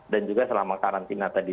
dan juga selama karantina tadi